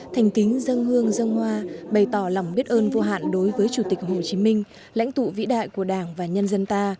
thành kính dân hương dân hoa bày tỏ lòng biết ơn vô hạn đối với chủ tịch hồ chí minh lãnh tụ vĩ đại của đảng và nhân dân ta